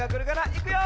いくよ！